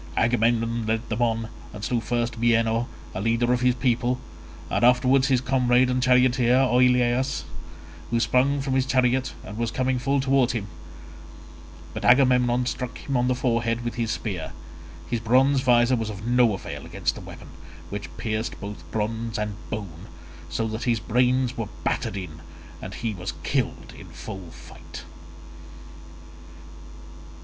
Agamemnon led them on, and slew first Bienor, a leader of his people, and afterwards his comrade and charioteer Oileus, who sprang from his chariot and was coming full towards him; but Agamemnon struck him on the forehead with his spear; his bronze visor was of no avail against the weapon, which pierced both bronze and bone, so that his brains were battered in and he was killed in full fight.